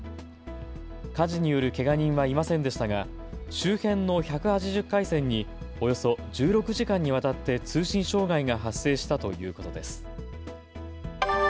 火事によるけが人はいませんでしたが周辺の１８０回線におよそ１６時間にわたって通信障害が発生したということです。